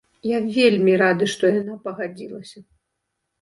Я вельмі рады, што яна пагадзілася!